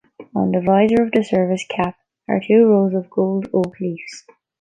On the visor of the service cap are two rows of gold oak leaves.